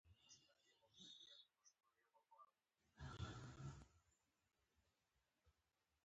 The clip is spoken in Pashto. افغانۍ یوازې د کور دننه کاروو.